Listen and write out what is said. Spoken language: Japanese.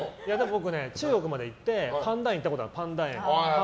僕、中国まで行ってパンダ園に行ったことあるんです。